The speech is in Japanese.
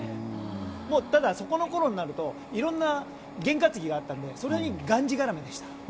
ただ、そこの頃になると色んなげん担ぎがあったのでそれにがんじがらめでした。